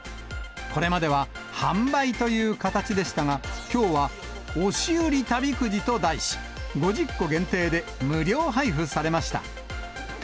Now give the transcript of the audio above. これまでは販売という形でしたが、きょうは押売り旅くじと題し、５０個限定で無料配布されました。